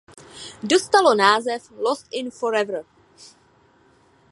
To dostalo název "Lost in Forever".